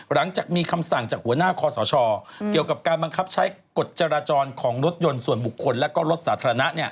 หลังจากมีคำสั่งจากหัวหน้าคอสชเกี่ยวกับการบังคับใช้กฎจราจรของรถยนต์ส่วนบุคคลและรถสาธารณะ